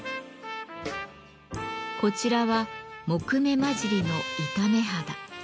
こちらは杢目交じりの板目肌。